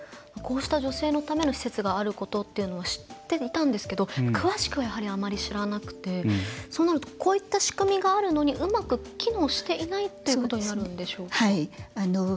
こうした女性のための施設があることっていうのは知っていたんですけど詳しくは、やはりあまり知らなくて、そうなるとこういった仕組みがあるのにうまく機能していないということになるんでしょうか？